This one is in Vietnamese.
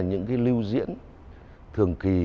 những cái lưu diễn thường kỳ